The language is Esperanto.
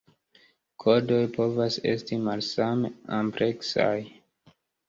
Kodoj povas esti malsame ampleksaj.